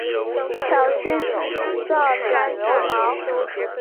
小枝具星状短柔毛。